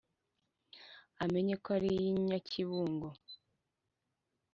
amenye ko ari iy' inyakibungo